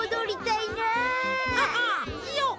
いよっ！